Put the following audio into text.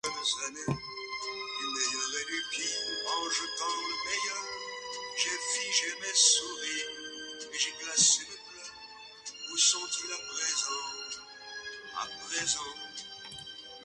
Oh ! murmura-t-elle, c’est la main glacée de la mort. —